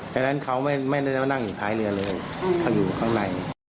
ดังนั้นเขาไม่ได้มานั่งอยู่ท้ายเรือเลยเขาอยู่ข้างใน